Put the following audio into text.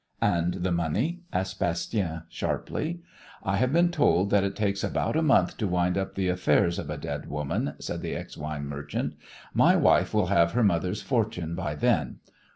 "And the money?" asked Bastien sharply. "I have been told that it takes about a month to wind up the affairs of a dead woman," said the ex wine merchant. "My wife will have her mother's fortune by then.